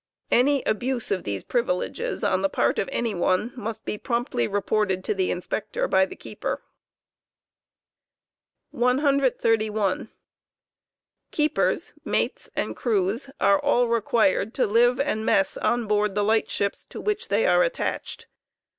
Any abuse of these privileges oh the part of any one must be promptly reported to the Inspector by the keeper. 131. Keepers, mates, and crews are all required to live and mess on 'board the He&aing. light ships to which they are attached.